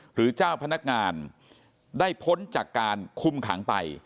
หรือเจ้าพนักงานได้พ้นจากการคุมขังไป